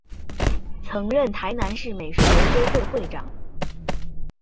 曾任台南市美术研究会会长。